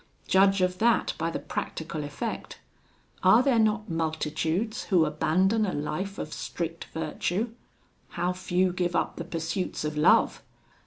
Judge of that by the practical effect: are there not multitudes who abandon a life of strict virtue? how few give up the pursuits of love!